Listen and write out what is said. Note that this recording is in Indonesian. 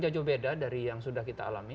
jauh beda dari yang sudah kita alami